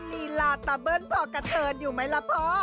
ลีลาต้าเบิ้ลพอกับเธออย่ามีละพอ